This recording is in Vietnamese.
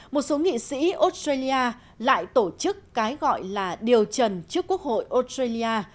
một số nghị sĩ australia lại tổ chức cái gọi là điều trần trước quốc hội australia